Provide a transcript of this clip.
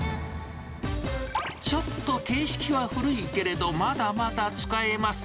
ちょっと形式は古いけれど、まだまだ使えます。